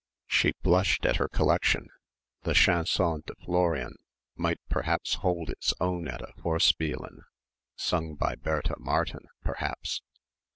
She blushed at her collection. The "Chanson de Florian" might perhaps hold its own at a Vorspielen sung by Bertha Martin perhaps....